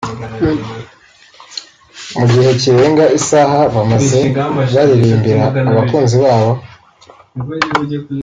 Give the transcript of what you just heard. Mu gihe kirenga isaha bamaze baririmbira abakunzi babo